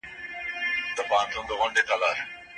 ايا پايله تل مثبته ده؟